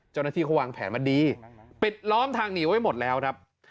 เจ้าหน้าที่เขาวางแผนมาดีปิดล้อมทางหนีไว้หมดแล้วครับ